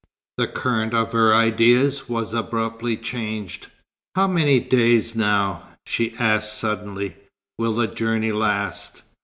The current of her ideas was abruptly changed. "How many days now," she asked suddenly, "will the journey last?"